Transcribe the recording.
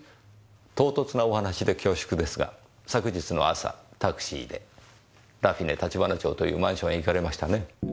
唐突なお話で恐縮ですが昨日の朝タクシーでラフィネ橘町というマンションへ行かれましたね？